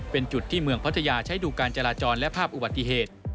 เป็นจุดที่เมืองพัทยาใช้ดูการจราจรและภาพอุบัติเหตุ